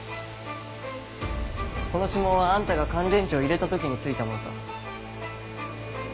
この指紋はあんたが乾電池を入れた時に付いたものさ。